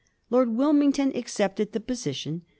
Lord Wilmington accepted the position.